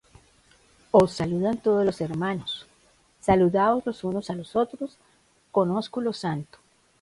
Os saludan todos los hermanos. Saludaos los unos á los otros con ósculo santo.